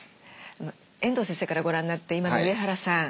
遠藤先生からご覧になって今の上原さん